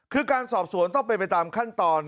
คือการสอบสวนต้องเป็นไปตามขั้นตอน